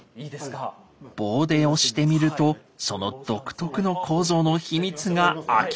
棒で押してみるとその独特の構造のヒミツが明らかに。